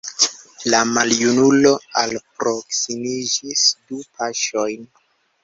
La maljunulo alproksimiĝis du paŝojn.